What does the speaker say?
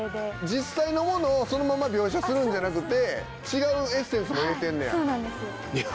実際のものをそのまま描写するんじゃなくて違うエッセンスも入れてんねや。